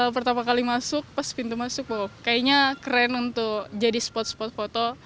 pertama kali masuk pas pintu masuk kayaknya keren untuk jadi spot spot foto